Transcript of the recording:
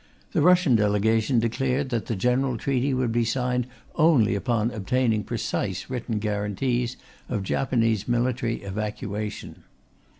The Russian Delegation declared that the general treaty would be signed only upon obtaining precise written guarantees of Japanese military evacuation.